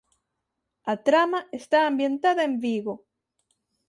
A trama está ambientada en Vigo.